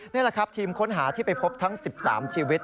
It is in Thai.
นี่แหละครับทีมค้นหาที่ไปพบทั้ง๑๓ชีวิต